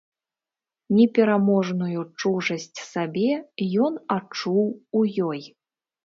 Непераможную чужасць сабе ён адчуў у ёй.